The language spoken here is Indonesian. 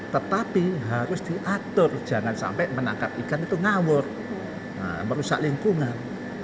tetapi harus diatur jangan sampai menangkap ikan itu ngawur merusak lingkungan